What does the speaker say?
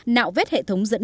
nạo vết hệ thống dẫn